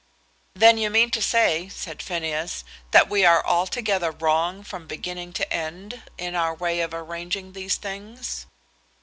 "Then you mean to say," said Phineas, "that we are altogether wrong from beginning to end, in our way of arranging these things?"